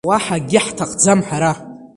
Уаҳа акгьы ҳҭахӡам ҳара!